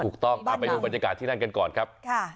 ถูกต้องเอาไปดูบรรยากาศที่นั่นกันก่อนครับ